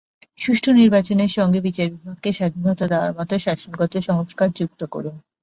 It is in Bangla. সুষ্ঠু নির্বাচনের সঙ্গে বিচার বিভাগকে স্বাধীনতা দেওয়ার মতো শাসনগত সংস্কার যুক্ত করুন।